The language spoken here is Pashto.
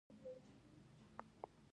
ایجاد یوه دماغي پروسه ده.